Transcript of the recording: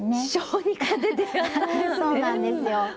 そうなんですよ。